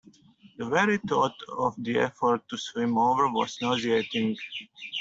The very thought of the effort to swim over was nauseating.